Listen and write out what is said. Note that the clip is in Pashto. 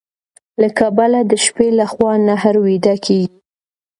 له کبله د شپې لخوا نهر ويده کيږي.